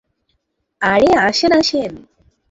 আরে, আসেন আসেন!